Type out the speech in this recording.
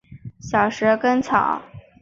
小蛇根草